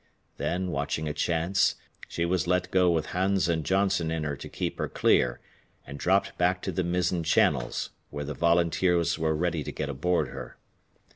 Then, watching a chance, she was let go with Hans and Johnson in her to keep her clear and dropped back to the mizzen channels, where the volunteers were ready to get aboard her.